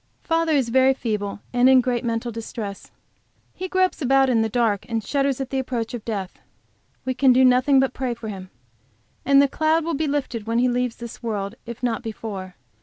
Father is very feeble and in great mental distress. He gropes about in the dark, and shudders at the approach of death. We can do nothing but pray for him. And the cloud will be lifted when he leaves this world, if not before.